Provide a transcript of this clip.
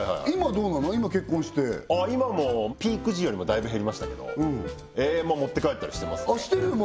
今結婚して今もピーク時よりもだいぶ減りましたけどええ持って帰ったりしてますねあっしてるの？